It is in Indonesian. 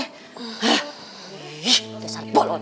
ih dasar bolong